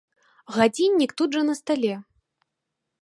Гадзіннік тут жа на стале.